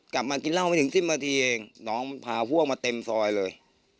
กลับมากินเหล้าไม่ถึง๑๐นาทีเองน้องพาพวกมาเต็มซอยเลย